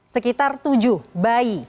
sekitar tujuh bayi